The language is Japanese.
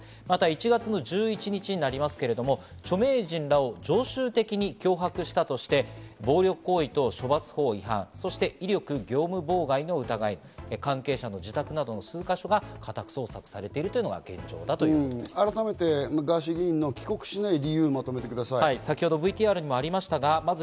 また１月１１日になりますけれども、著名人らを常習的に脅迫したとして、暴力行為等処罰法違反、そして威力業務妨害の疑いで関係者の自宅などの数か所が家宅捜索されているというのが現状だということで帰国しない理由をまとめてください。